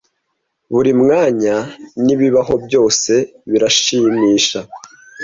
Buri mwanya nibibaho byose biranshimisha,